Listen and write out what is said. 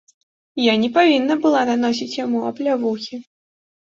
Я не павінна была наносіць яму аплявухі.